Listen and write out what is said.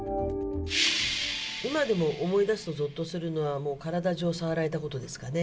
今でも思い出すとぞっとするのは、もう体中を触られたことですかね。